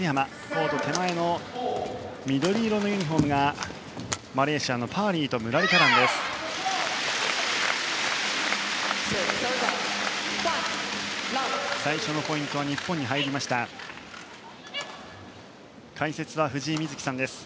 コート手前の緑色のユニホームがマレーシアのパーリーとムラリタランです。